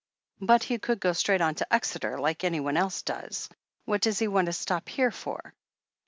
"But he could go straight on to Exeter, like anyone else does. What does he want to stop here for?"